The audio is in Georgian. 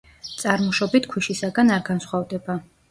წარმოშობით ქვიშისაგან არ განსხვავდება.